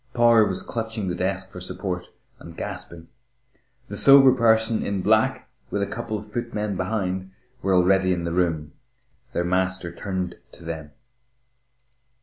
Power was clutching the desk for support, and gasping. The sober person in black, with a couple of footmen behind, were already in the room.... Their master turned to them.